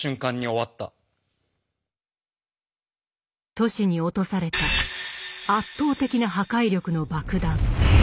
都市に落とされた圧倒的な破壊力の爆弾。